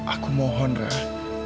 aku mohon rah